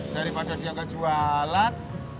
daripada si yang kejualan